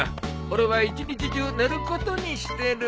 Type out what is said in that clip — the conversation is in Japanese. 俺は一日中寝ることにしてる。